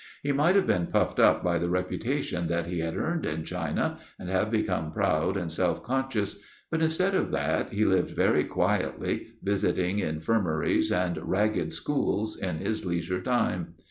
He might have been puffed up by the reputation that he had earned in China, and have become proud and self conscious; but instead of that, he lived very quietly, visiting infirmaries and ragged schools in his leisure time.